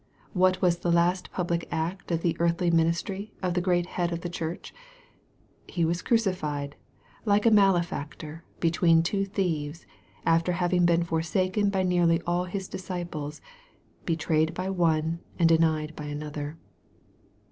What was the last public act of the earthly ministry of the great Head of the Church ? He was crucified, like a malefactor, between two thieves, after having been forsaken by nearly all His disciples, betrayed by one, and denied by another.